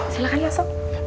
silahkan ya sob